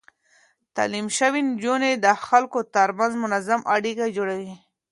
تعليم شوې نجونې د خلکو ترمنځ منظم اړيکې جوړوي.